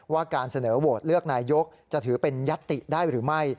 การเสนอโหวตเลือกนายกจะถือเป็นยัตติได้หรือไม่